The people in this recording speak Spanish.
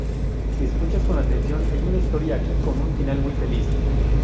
Si escuchas con atención, hay una historia aquí con un final muy feliz.